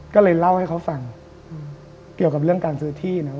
ก็เลยเล่าให้เขาฟังเกี่ยวกับเรื่องการซื้อที่นะครับ